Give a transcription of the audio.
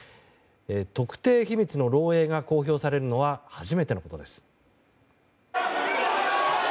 特定秘密の漏洩が公表されるのは初めてのことです。